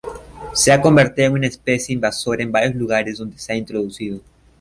Se ha convertido en una especie invasora en varios lugares donde se ha introducido.